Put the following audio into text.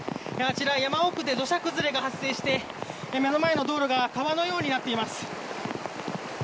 山奥で土砂崩れが発生して目の前の道路が川のようになっています。